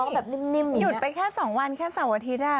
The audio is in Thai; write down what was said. หยุดไปแค่สองวันแค่สามวันอาทิตย์